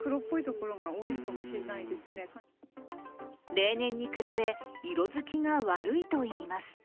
例年に比べ、色づきが悪いといいます。